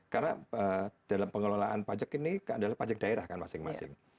karena dalam pengelolaan pajak ini adalah pajak daerah kan masing masing